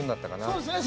そうですね。